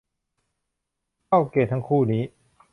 เข้าเกณฑ์ทั้งคู่นี้